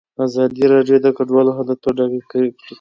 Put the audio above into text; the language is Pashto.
ازادي راډیو د کډوال حالت په ډاګه کړی.